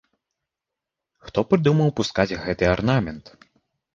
Хто прыдумаў пускаць гэты арнамент?